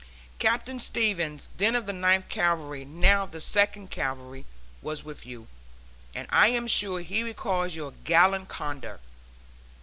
Captain Stevens, then of the Ninth Cavalry, now of the Second Cavalry, was with you, and I am sure he recalls your gallant conduct.